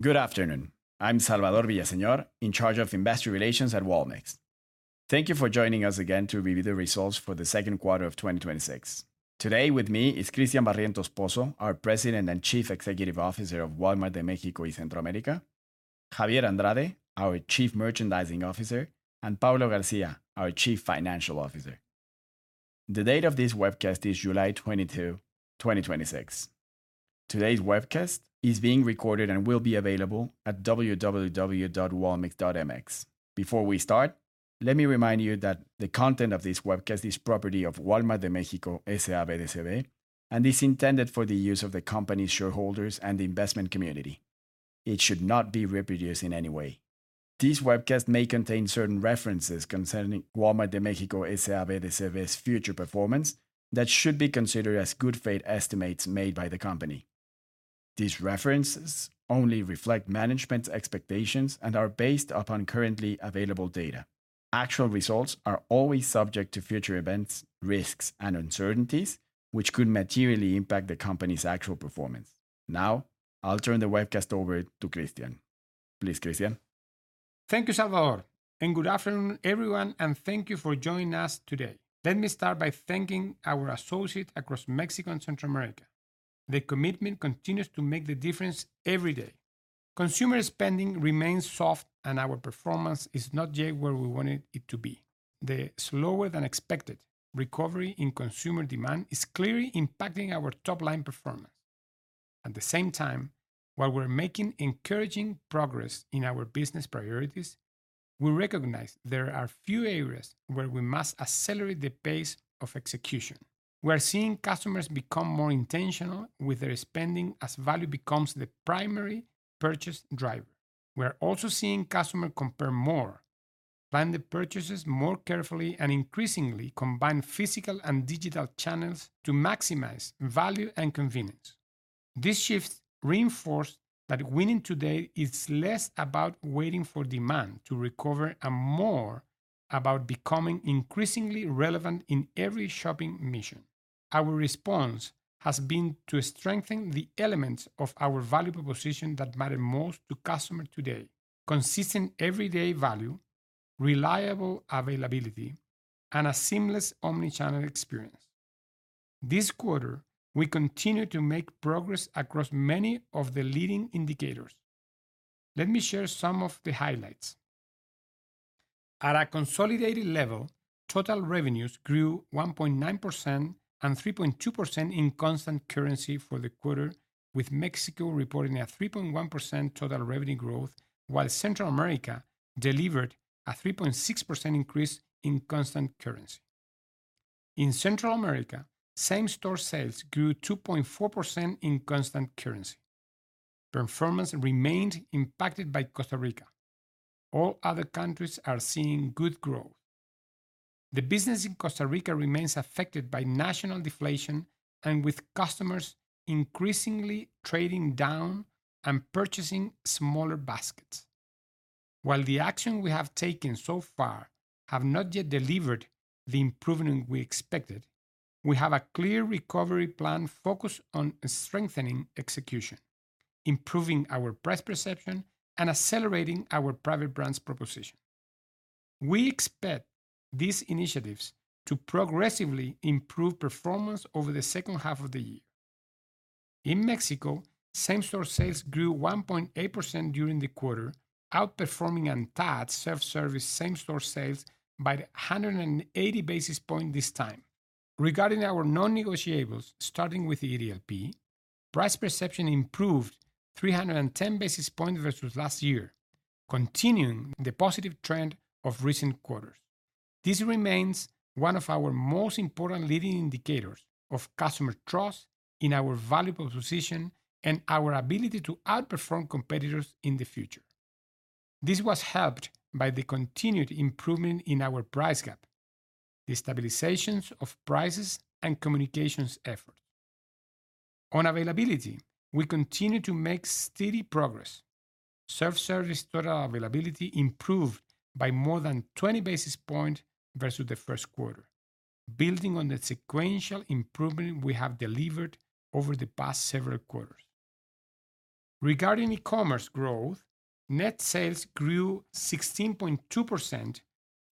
Good afternoon. I'm Salvador Villaseñor, in charge of investor relations at Walmex. Thank you for joining us again to review the results for the second quarter of 2026. Today with me is Cristian Barrientos Pozo, our President and Chief Executive Officer of Walmart de México y Centroamérica, Javier Andrade, our Chief Merchandising Officer, and Paulo Garcia, our Chief Financial Officer. The date of this webcast is July 22, 2026. Today's webcast is being recorded and will be available at www.walmex.mx. Before we start, let me remind you that the content of this webcast is property of Wal-Mart de México, S.A.B. de C.V., and is intended for the use of the company's shareholders and the investment community. It should not be reproduced in any way. This webcast may contain certain references concerning Wal-Mart de México, S.A.B. de C.V.'s future performance that should be considered as good faith estimates made by the company. These references only reflect management's expectations and are based upon currently available data. Actual results are always subject to future events, risks, and uncertainties, which could materially impact the company's actual performance. Now, I'll turn the webcast over to Cristian. Please, Cristian. Thank you, Salvador, and good afternoon, everyone, and thank you for joining us today. Let me start by thanking our associates across Mexico and Central America. The commitment continues to make the difference every day. Consumer spending remains soft, and our performance is not yet where we want it to be. The slower than expected recovery in consumer demand is clearly impacting our top-line performance. At the same time, while we're making encouraging progress in our business priorities, we recognize there are few areas where we must accelerate the pace of execution. We're seeing customers become more intentional with their spending as value becomes the primary purchase driver. We're also seeing customer compare more, plan the purchases more carefully, and increasingly combine physical and digital channels to maximize value and convenience. This shift reinforced that winning today is less about waiting for demand to recover and more about becoming increasingly relevant in every shopping mission. Our response has been to strengthen the elements of our valuable position that matter most to customer today. Consistent everyday value, reliable availability, and a seamless omnichannel experience. This quarter, we continue to make progress across many of the leading indicators. Let me share some of the highlights. At a consolidated level, total revenues grew 1.9% and 3.2% in constant currency for the quarter, with Mexico reporting a 3.1% total revenue growth, while Central America delivered a 3.6% increase in constant currency. In Central America, same-store sales grew 2.4% in constant currency. Performance remained impacted by Costa Rica. All other countries are seeing good growth. The business in Costa Rica remains affected by national deflation and with customers increasingly trading down and purchasing smaller baskets. While the action we have taken so far have not yet delivered the improvement we expected, we have a clear recovery plan focused on strengthening execution, improving our price perception, and accelerating our private brands proposition. We expect these initiatives to progressively improve performance over the second half of the year. In Mexico, same-store sales grew 1.8% during the quarter, outperforming ANTAD self-service same-store sales by 180 basis point this time. Regarding our non-negotiables, starting with the EDLP, price perception improved 310 basis points versus last year, continuing the positive trend of recent quarters. This remains one of our most important leading indicators of customer trust in our valuable position and our ability to outperform competitors in the future. This was helped by the continued improvement in our price gap, the stabilizations of prices, and communications efforts. On availability, we continue to make steady progress. Self-service total availability improved by more than 20 basis points versus the first quarter, building on the sequential improvement we have delivered over the past several quarters. Regarding e-commerce growth, net sales grew 16.2%,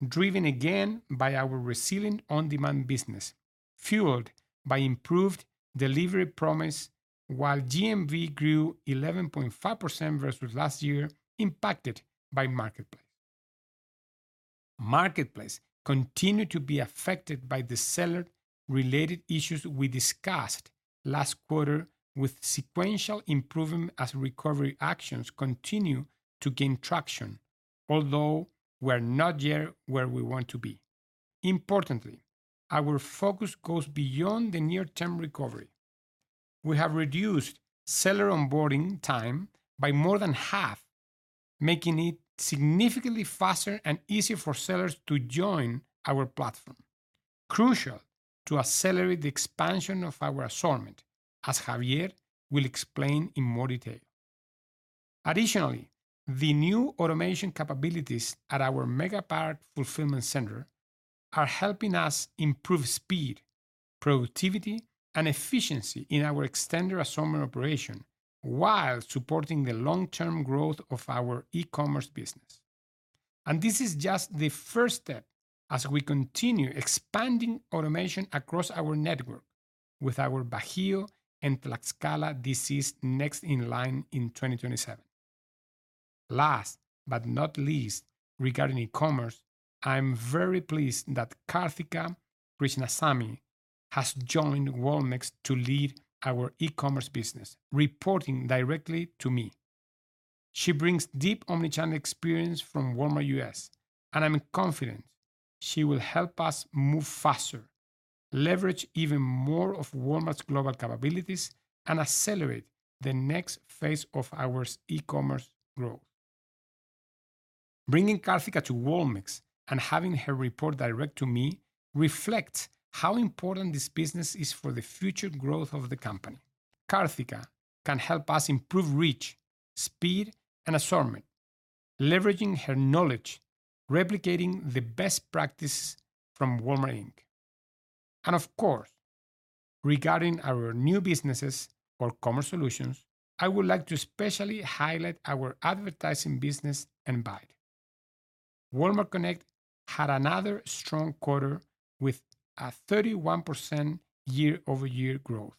driven again by our resilient on-demand business, fueled by improved delivery promise, while GMV grew 11.5% versus last year, impacted by Marketplace. Marketplace continued to be affected by the seller-related issues we discussed last quarter with sequential improvement as recovery actions continue to gain traction, although we're not yet where we want to be. Importantly, our focus goes beyond the near-term recovery. We have reduced seller onboarding time by more than half, making it significantly faster and easier for sellers to join our platform, crucial to accelerate the expansion of our assortment, as Javier will explain in more detail. Additionally, the new automation capabilities at our mega power fulfillment center are helping us improve speed, productivity, and efficiency in our extended assortment operation while supporting the long-term growth of our e-commerce business. This is just the first step as we continue expanding automation across our network with our Bajío and Tlaxcala DCs next in line in 2027. Last but not least, regarding e-commerce, I'm very pleased that Karthicka Krishnasamy has joined Walmex to lead our e-commerce business, reporting directly to me. She brings deep omnichannel experience from Walmart U.S. I'm confident she will help us move faster, leverage even more of Walmart's global capabilities, accelerate the next phase of our e-commerce growth. Bringing Karthicka to Walmex and having her report direct to me reflects how important this business is for the future growth of the company. Karthicka can help us improve reach, speed, and assortment, leveraging her knowledge, replicating the best practice from Walmart Inc. Of course, regarding our new businesses for commerce solutions, I would like to especially highlight our advertising business and Bait. Walmart Connect had another strong quarter with a 31% year-over-year growth,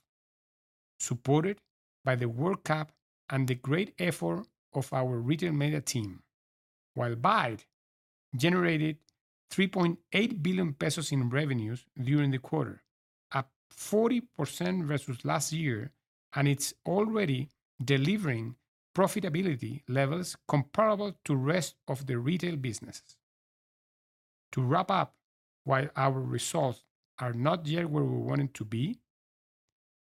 supported by the World Cup and the great effort of our retail media team, while Bait generated 3.8 billion pesos in revenues during the quarter, up 40% versus last year, it's already delivering profitability levels comparable to rest of the retail business. To wrap up, while our results are not yet where we want it to be,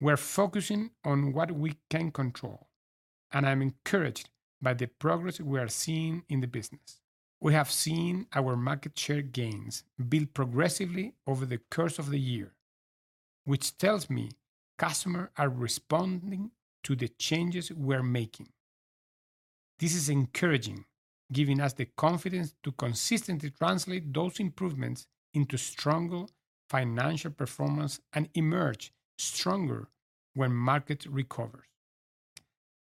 we're focusing on what we can control. I'm encouraged by the progress we are seeing in the business. We have seen our market share gains build progressively over the course of the year, which tells me customers are responding to the changes we're making. This is encouraging, giving us the confidence to consistently translate those improvements into stronger financial performance and emerge stronger when market recovers.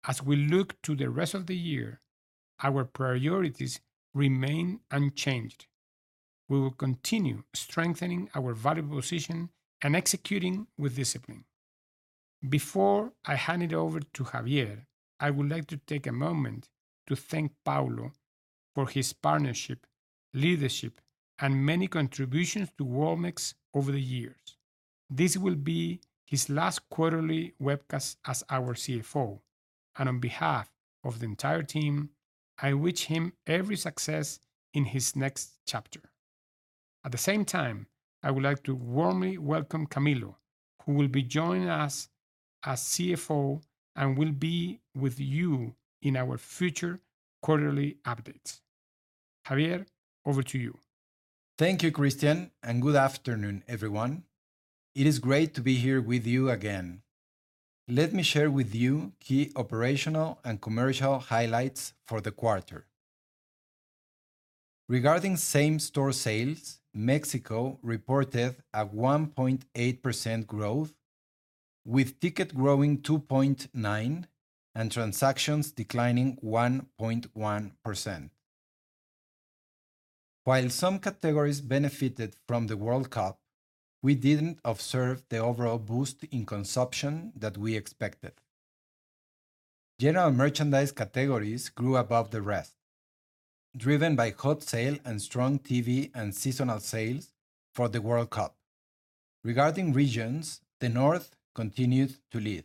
As we look to the rest of the year, our priorities remain unchanged. We will continue strengthening our value position and executing with discipline. Before I hand it over to Javier, I would like to take a moment to thank Paulo for his partnership, leadership, and many contributions to Walmex over the years. This will be his last quarterly webcast as our CFO, and on behalf of the entire team, I wish him every success in his next chapter. I would like to warmly welcome Camilo, who will be joining us as CFO and will be with you in our future quarterly updates. Javier, over to you. Thank you, Cristian, and good afternoon, everyone. It is great to be here with you again. Let me share with you key operational and commercial highlights for the quarter. Regarding same-store sales, Mexico reported a 1.8% growth with ticket growing 2.9% and transactions declining 1.1%. While some categories benefited from the World Cup, we didn't observe the overall boost in consumption that we expected. General merchandise categories grew above the rest, driven by hot sale and strong TV and seasonal sales for the World Cup. Regarding regions, the North continued to lead.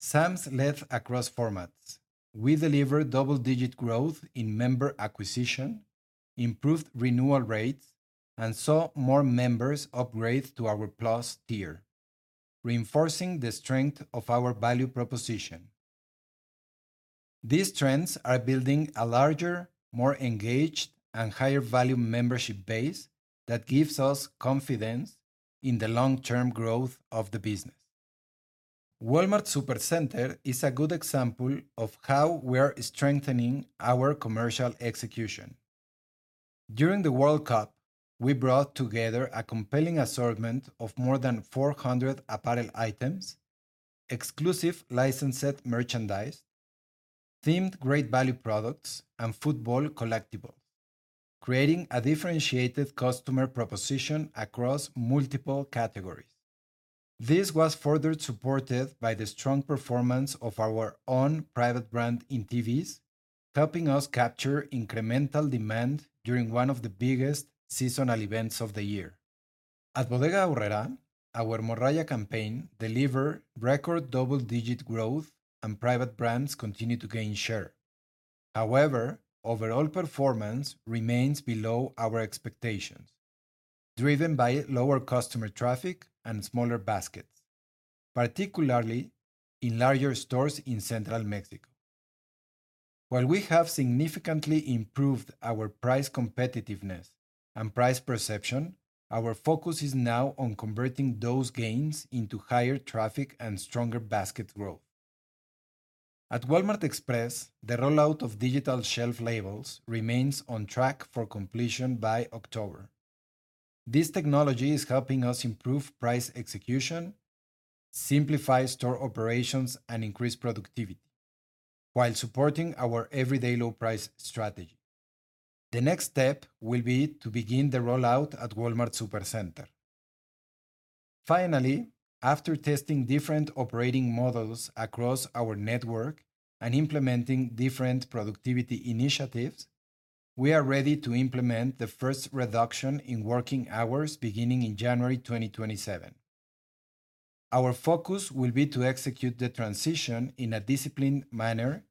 Sam's led across formats. We delivered double-digit growth in member acquisition, improved renewal rates, and saw more members upgrade to our Plus tier, reinforcing the strength of our value proposition. These trends are building a larger, more engaged, and higher value membership base that gives us confidence in the long-term growth of the business. Walmart Supercenter is a good example of how we're strengthening our commercial execution. During the World Cup, we brought together a compelling assortment of more than 400 apparel items, exclusive licensed merchandise, themed Great Value products, and football collectibles, creating a differentiated customer proposition across multiple categories. This was further supported by the strong performance of our own private brand in TVs, helping us capture incremental demand during one of the biggest seasonal events of the year. At Bodega Aurrerá, our Morralla campaign delivered record double-digit growth, and private brands continue to gain share. Overall performance remains below our expectations, driven by lower customer traffic and smaller baskets, particularly in larger stores in central Mexico. While we have significantly improved our price competitiveness and price perception, our focus is now on converting those gains into higher traffic and stronger basket growth. At Walmart Express, the rollout of digital shelf labels remains on track for completion by October. This technology is helping us improve price execution, simplify store operations, and increase productivity while supporting our everyday low price strategy. The next step will be to begin the rollout at Walmart Supercenter. Finally, after testing different operating models across our network and implementing different productivity initiatives, we are ready to implement the first reduction in working hours beginning in January 2027. Our focus will be to execute the transition in a disciplined manner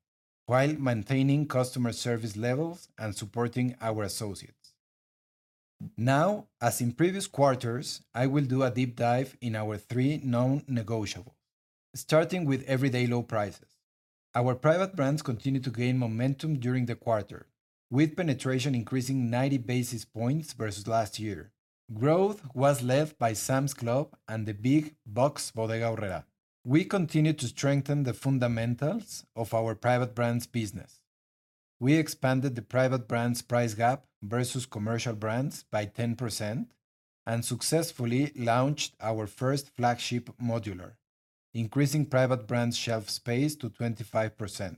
while maintaining customer service levels and supporting our associates. Now, as in previous quarters, I will do a deep dive in our three known negotiables. Starting with everyday low prices. Our private brands continued to gain momentum during the quarter, with penetration increasing 90 basis points versus last year. Growth was led by Sam's Club and the big box Bodega Aurrerá. We continue to strengthen the fundamentals of our private brands business. We expanded the private brands price gap versus commercial brands by 10% and successfully launched our first flagship modular, increasing private brand shelf space to 25%.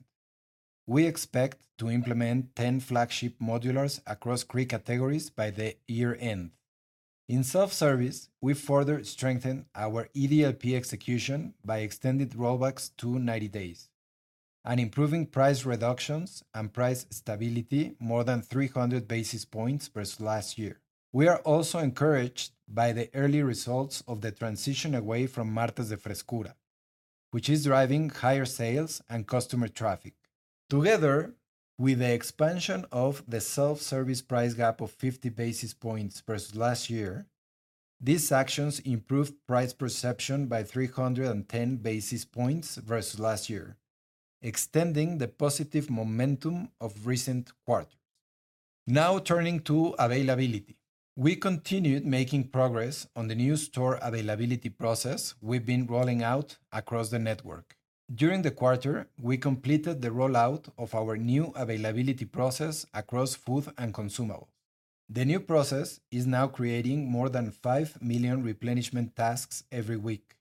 We expect to implement 10 flagship modulars across 3 categories by the year-end. In self-service, we further strengthened our EDLP execution by extended Rollbacks to 90 days and improving price reductions and price stability more than 300 basis points versus last year. We are also encouraged by the early results of the transition away from Martes de Frescura, which is driving higher sales and customer traffic. Together with the expansion of the self-service price gap of 50 basis points versus last year, these actions improved price perception by 310 basis points versus last year, extending the positive momentum of recent quarters. Now turning to availability. We continued making progress on the new store availability process we've been rolling out across the network. During the quarter, we completed the rollout of our new availability process across food and consumables. The new process is now creating more than 5 million replenishment tasks every week,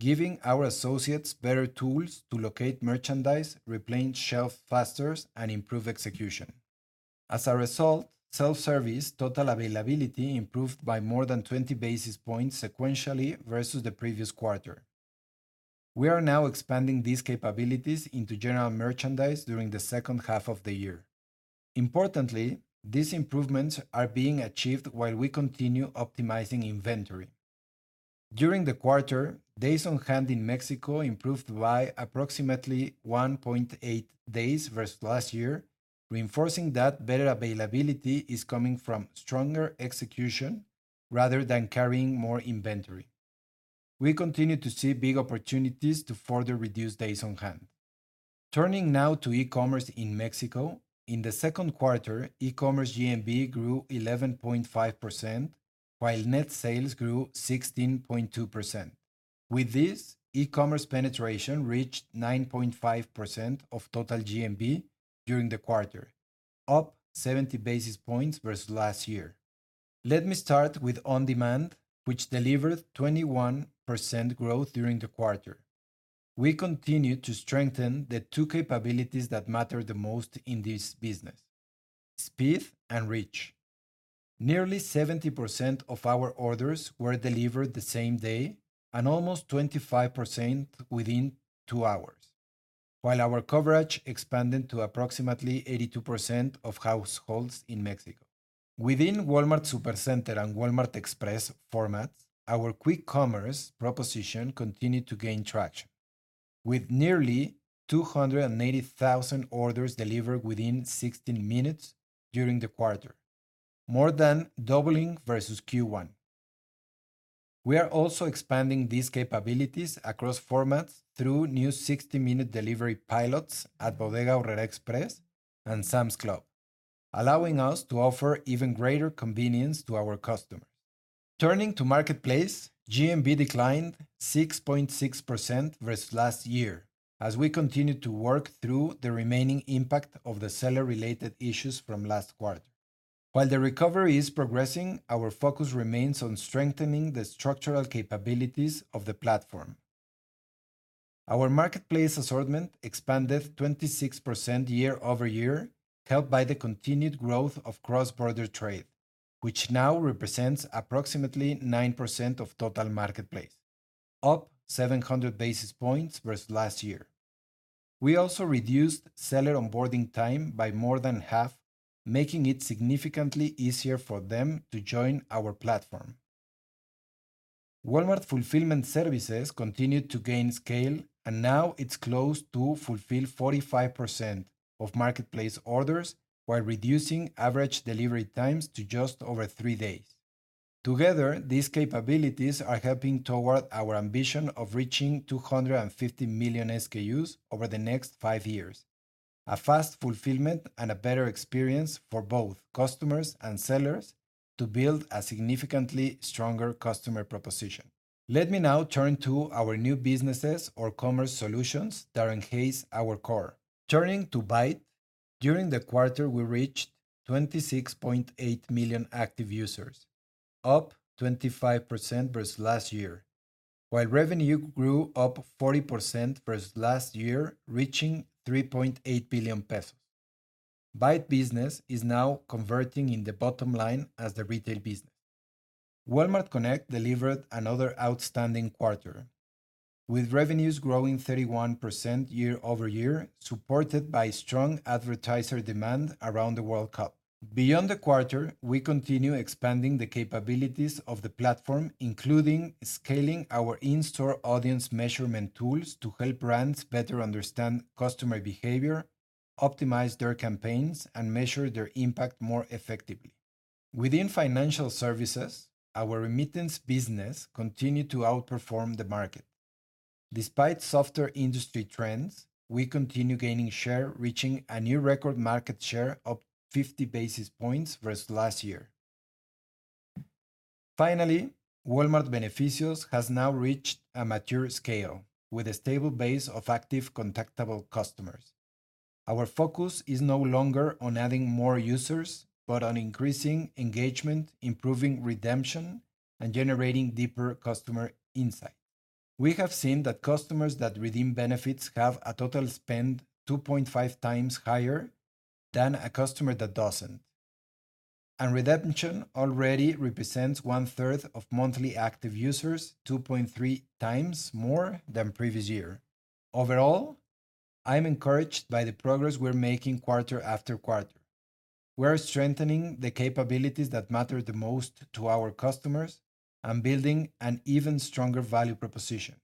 giving our associates better tools to locate merchandise, replenish shelf fasters, and improve execution. As a result, self-service total availability improved by more than 20 basis points sequentially versus the previous quarter. We are now expanding these capabilities into general merchandise during the second half of the year. Importantly, these improvements are being achieved while we continue optimizing inventory. During the quarter, days on hand in Mexico improved by approximately 1.8 days versus last year, reinforcing that better availability is coming from stronger execution rather than carrying more inventory. We continue to see big opportunities to further reduce days on hand. Turning now to e-commerce in Mexico. In the second quarter, e-commerce GMV grew 11.5%, while net sales grew 16.2%. With this, e-commerce penetration reached 9.5% of total GMV during the quarter, up 70 basis points versus last year. Let me start with On Demand, which delivered 21% growth during the quarter. We continue to strengthen the two capabilities that matter the most in this business, speed and reach. Nearly 70% of our orders were delivered the same day and almost 25% within two hours, while our coverage expanded to approximately 82% of households in Mexico. Within Walmart Supercenter and Walmart Express formats, our quick commerce proposition continued to gain traction with nearly 280,000 orders delivered within 60 minutes during the quarter, more than doubling versus Q1. We are also expanding these capabilities across formats through new 60-minute delivery pilots at Bodega Aurrerá Express and Sam's Club, allowing us to offer even greater convenience to our customers. Turning to Marketplace, GMV declined 6.6% versus last year as we continue to work through the remaining impact of the seller-related issues from last quarter. While the recovery is progressing, our focus remains on strengthening the structural capabilities of the platform. Our marketplace assortment expanded 26% year-over-year, helped by the continued growth of cross-border trade, which now represents approximately 9% of total marketplace, up 700 basis points versus last year. We also reduced seller onboarding time by more than half, making it significantly easier for them to join our platform. Walmart Fulfillment Services continued to gain scale, and now it's close to fulfill 45% of marketplace orders while reducing average delivery times to just over three days. Together, these capabilities are helping toward our ambition of reaching 250 million SKUs over the next five years A fast fulfillment and a better experience for both customers and sellers to build a significantly stronger customer proposition. Let me now turn to our new businesses or commerce solutions that enhance our core. Turning to Bait, during the quarter, we reached 26.8 million active users, up 25% versus last year, while revenue grew up 40% versus last year, reaching 3.8 billion pesos. Bait business is now converting in the bottom line as the retail business. Walmart Connect delivered another outstanding quarter, with revenues growing 31% year-over-year, supported by strong advertiser demand around the World Cup. Beyond the quarter, we continue expanding the capabilities of the platform, including scaling our in-store audience measurement tools to help brands better understand customer behavior, optimize their campaigns, and measure their impact more effectively. Within Financial Services, our remittance business continued to outperform the market. Despite softer industry trends, we continue gaining share, reaching a new record market share up 50 basis points versus last year. Finally, Walmart Beneficios has now reached a mature scale with a stable base of active contactable customers. Our focus is no longer on adding more users, but on increasing engagement, improving redemption, and generating deeper customer insight. We have seen that customers that redeem benefits have a total spend 2.5 times higher than a customer that doesn't. Redemption already represents one-third of monthly active users, 2.3 times more than previous year. Overall, I'm encouraged by the progress we're making quarter after quarter. We're strengthening the capabilities that matter the most to our customers and building an even stronger value proposition.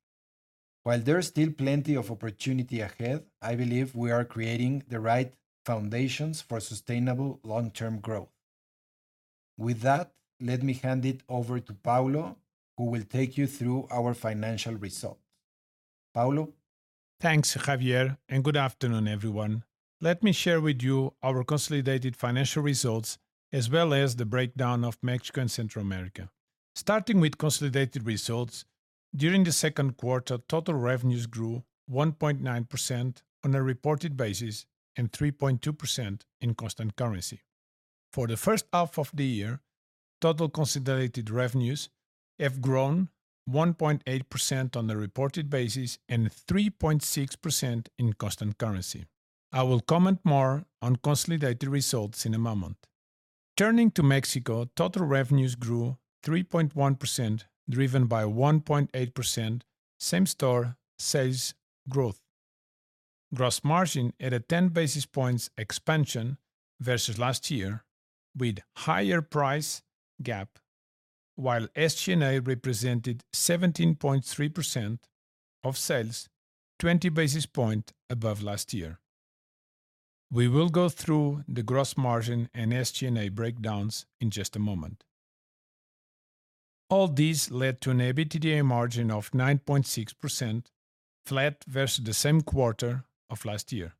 While there is still plenty of opportunity ahead, I believe we are creating the right foundations for sustainable long-term growth. With that, let me hand it over to Paulo, who will take you through our financial results. Paulo? Thanks, Javier, and good afternoon, everyone. Let me share with you our consolidated financial results as well as the breakdown of Mexico and Central America. Starting with consolidated results, during the second quarter, total revenues grew 1.9% on a reported basis and 3.2% in constant currency. For the first half of the year, total consolidated revenues have grown 1.8% on a reported basis and 3.6% in constant currency. I will comment more on consolidated results in a moment. Turning to Mexico, total revenues grew 3.1%, driven by 1.8% same-store sales growth. Gross margin at a 10 basis points expansion versus last year, with higher price gap, while SG&A represented 17.3% of sales, 20 basis points above last year. We will go through the gross margin and SG&A breakdowns in just a moment. All this led to an EBITDA margin of 9.6%, flat versus the same quarter of last year.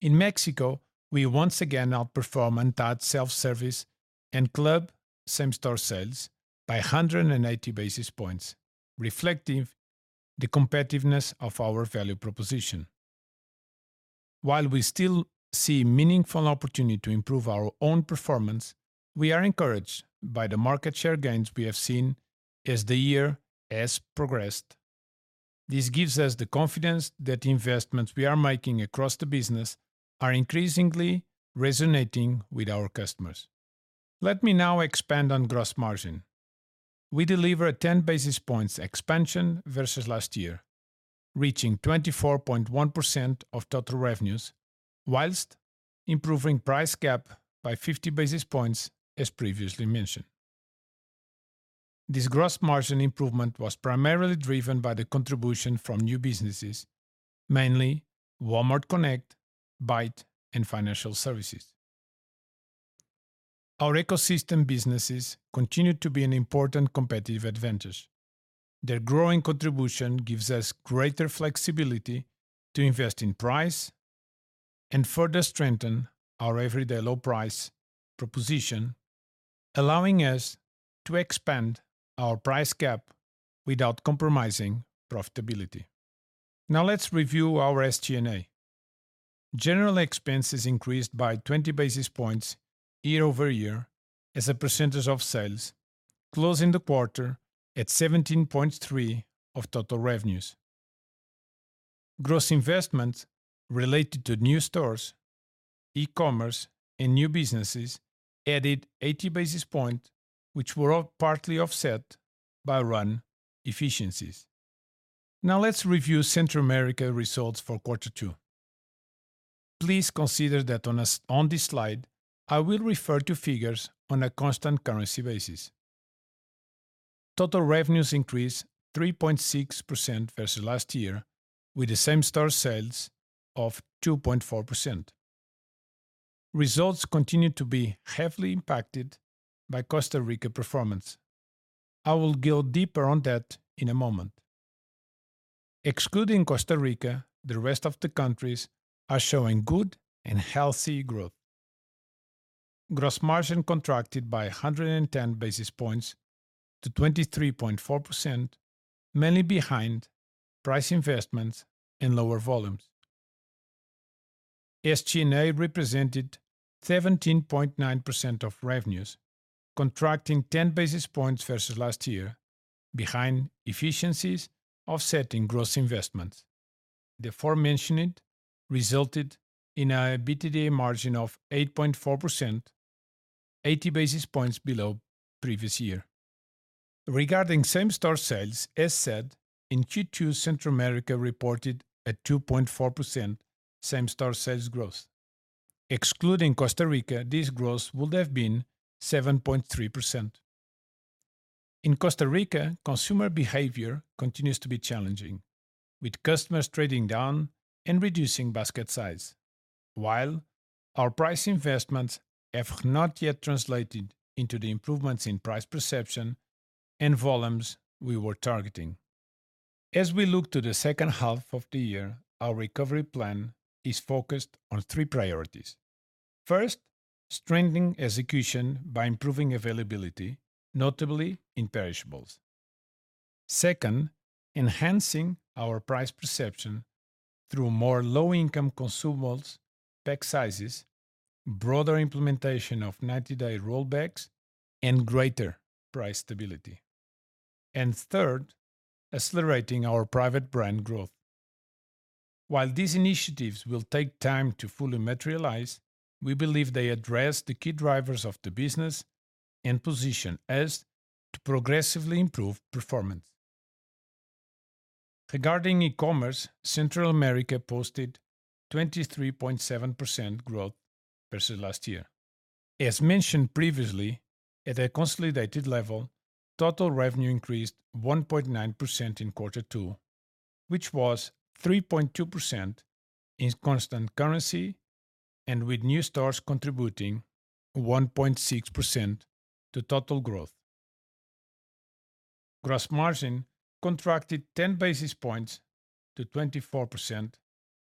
In Mexico, we once again outperformed ANTAD self-service and club same-store sales by 180 basis points, reflecting the competitiveness of our value proposition. While we still see meaningful opportunity to improve our own performance, we are encouraged by the market share gains we have seen as the year has progressed. This gives us the confidence that investments we are making across the business are increasingly resonating with our customers. Let me now expand on gross margin. We delivered a 10 basis points expansion versus last year, reaching 24.1% of total revenues whilst improving price gap by 50 basis points, as previously mentioned. This gross margin improvement was primarily driven by the contribution from new businesses, mainly Walmart Connect, Bait, and Financial Services. Our ecosystem businesses continue to be an important competitive advantage. Their growing contribution gives us greater flexibility to invest in price and further strengthen our everyday low price proposition, allowing us to expand our price gap without compromising profitability. Now let's review our SG&A. General expenses increased by 20 basis points year-over-year as a percentage of sales, closing the quarter at 17.3% of total revenues. Gross investments related to new stores, e-commerce, and new businesses added 80 basis points, which were all partly offset by run efficiencies. Now let's review Central America results for quarter two. Please consider that on this slide, I will refer to figures on a constant currency basis. Total revenues increased 3.6% versus last year with the same-store sales of 2.4%. Results continue to be heavily impacted by Costa Rica performance. I will go deeper on that in a moment. Excluding Costa Rica, the rest of the countries are showing good and healthy growth. Gross margin contracted by 110 basis points to 23.4%, mainly behind price investments and lower volumes. SG&A represented 17.9% of revenues, contracting 10 basis points versus last year behind efficiencies offsetting gross investments. The aforementioned resulted in an EBITDA margin of 8.4%, 80 basis points below previous year. Regarding same-store sales, as said, in Q2, Central America reported a 2.4% same-store sales growth. Excluding Costa Rica, this growth would have been 7.3%. In Costa Rica, consumer behavior continues to be challenging, with customers trading down and reducing basket size. While our price investments have not yet translated into the improvements in price perception and volumes we were targeting. As we look to the second half of the year, our recovery plan is focused on three priorities. First, strengthening execution by improving availability, notably in perishables. Second, enhancing our price perception through more low-income consumables, pack sizes, broader implementation of 90-day Rollbacks, and greater price stability. Third, accelerating our private brand growth. While these initiatives will take time to fully materialize, we believe they address the key drivers of the business and position us to progressively improve performance. Regarding e-commerce, Central America posted 23.7% growth versus last year. As mentioned previously, at a consolidated level, total revenue increased 1.9% in quarter two, which was 3.2% in constant currency and with new stores contributing 1.6% to total growth. Gross margin contracted 10 basis points to 24%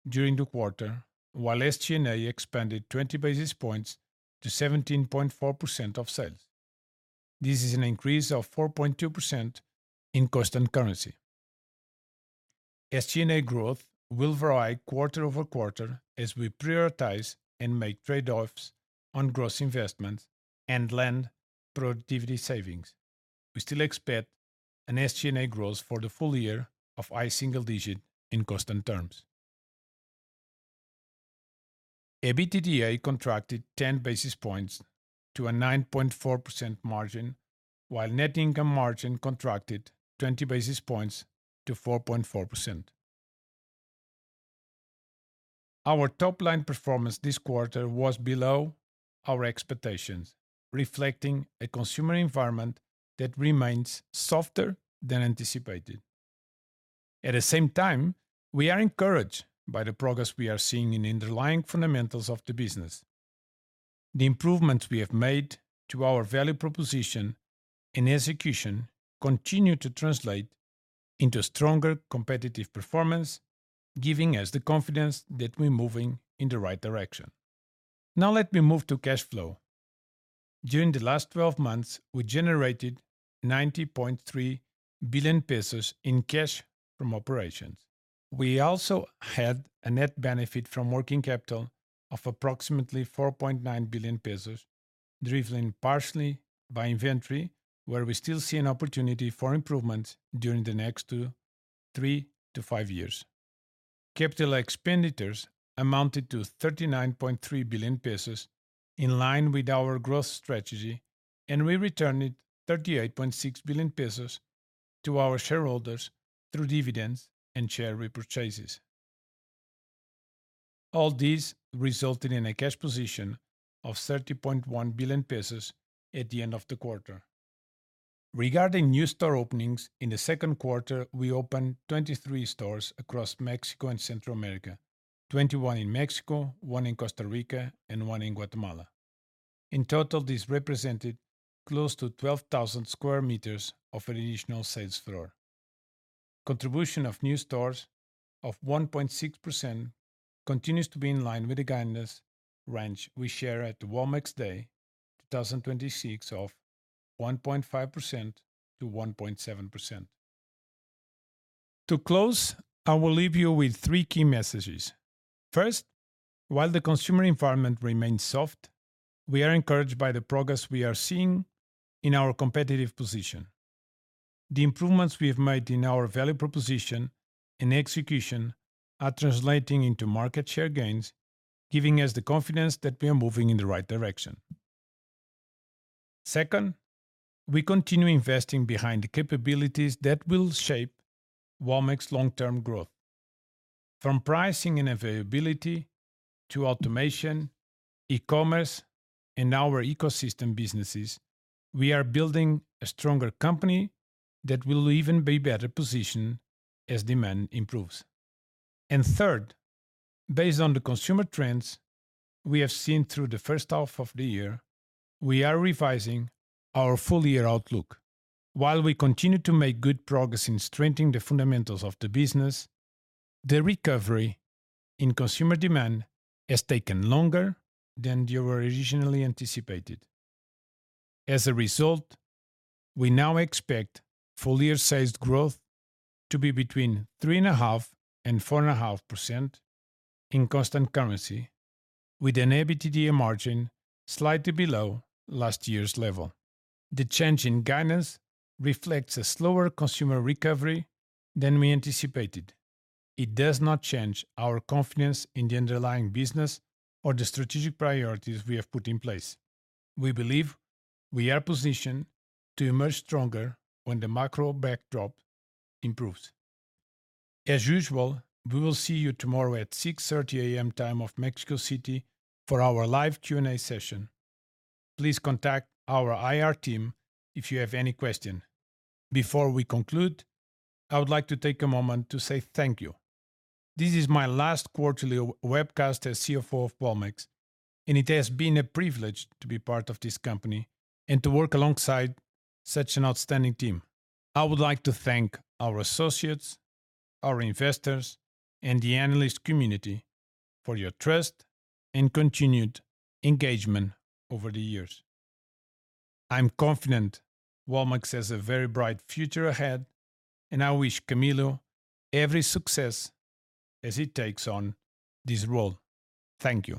during the quarter, while SG&A expanded 20 basis points to 17.4% of sales. This is an increase of 4.2% in constant currency. SG&A growth will vary quarter-over-quarter as we prioritize and make trade-offs on gross investments and lend productivity savings. We still expect an SG&A growth for the full year of high single digit in constant terms. EBITDA contracted 10 basis points to a 9.4% margin, while net income margin contracted 20 basis points to 4.4%. Our top line performance this quarter was below our expectations, reflecting a consumer environment that remains softer than anticipated. At the same time, we are encouraged by the progress we are seeing in the underlying fundamentals of the business. The improvements we have made to our value proposition and execution continue to translate into stronger competitive performance, giving us the confidence that we're moving in the right direction. Let me move to cash flow. During the last 12 months, we generated 90.3 billion pesos in cash from operations. We also had a net benefit from working capital of approximately 4.9 billion pesos, driven partially by inventory, where we still see an opportunity for improvement during the next three to five years. Capital expenditures amounted to 39.3 billion pesos, in line with our growth strategy, and we returned 38.6 billion pesos to our shareholders through dividends and share repurchases. All this resulted in a cash position of 30.1 billion pesos at the end of the quarter. Regarding new store openings, in the second quarter, we opened 23 stores across Mexico and Central America, 21 in Mexico, one in Costa Rica, and one in Guatemala. In total, this represented close to 12,000 sq m of additional sales floor. Contribution of new stores of 1.6% continues to be in line with the guidance range we shared at the Walmex Day 2026 of 1.5%-1.7%. To close, I will leave you with three key messages. First, while the consumer environment remains soft, we are encouraged by the progress we are seeing in our competitive position. The improvements we have made in our value proposition and execution are translating into market share gains, giving us the confidence that we are moving in the right direction. Second, we continue investing behind the capabilities that will shape Walmex long-term growth. From pricing and availability to automation, e-commerce, and our ecosystem businesses, we are building a stronger company that will even be better positioned as demand improves. Third, based on the consumer trends we have seen through the first half of the year, we are revising our full year outlook. While we continue to make good progress in strengthening the fundamentals of the business, the recovery in consumer demand has taken longer than we originally anticipated. As a result, we now expect full year sales growth to be between 3.5% and 4.5% in constant currency, with an EBITDA margin slightly below last year's level. The change in guidance reflects a slower consumer recovery than we anticipated. It does not change our confidence in the underlying business or the strategic priorities we have put in place. We believe we are positioned to emerge stronger when the macro backdrop improves. As usual, we will see you tomorrow at 6:30 A.M. time of Mexico City for our live Q&A session. Please contact our IR team if you have any questions. Before we conclude, I would like to take a moment to say thank you. This is my last quarterly webcast as CFO of Walmex, and it has been a privilege to be part of this company and to work alongside such an outstanding team. I would like to thank our associates, our investors, and the analyst community for your trust and continued engagement over the years. I'm confident Walmex has a very bright future ahead, and I wish Camilo every success as he takes on this role. Thank you